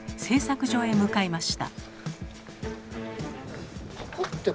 製作所へ向かいました。